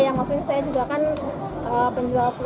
yang maksudnya saya juga kan penjual kue